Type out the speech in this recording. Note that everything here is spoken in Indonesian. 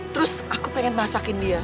terus aku pengen masakin dia